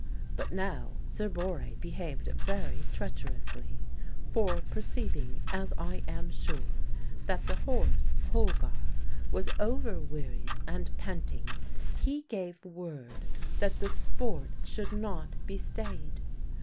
But now Sir Borre behaved very treacherously, for perceiving (as I am sure) that the horse Holgar was overwearied and panting, he gave word that the sport should not be stayed.